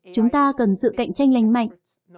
chúng ta cần sự cạnh tranh lành mạnh